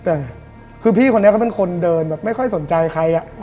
แต่คือพี่คนนี้เขาเป็นคนเดินแบบไม่ค่อยสนใจใคร